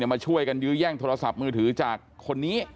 มาช่วยกันยื้อแย่งโทรศัพท์มือถือจากคนนี้